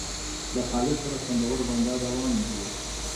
له خالد سره خوندور بنډار روان و.